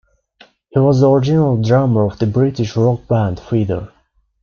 He was the original drummer of the British rock band Feeder.